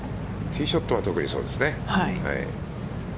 ティーショットは特にそうですね。